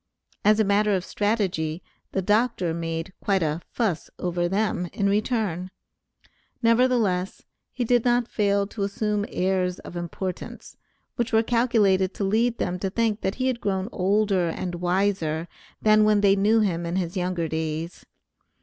As a matter of strategy, the doctor made quite a "fuss" over them in return; nevertheless, he did not fail to assume airs of importance, which were calculated to lead them to think that he had grown older and wiser than when they knew him in his younger days.